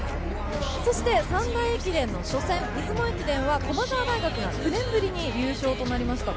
そして三大駅伝の初戦出雲駅伝は駒澤大学が９年ぶりに優勝となりました。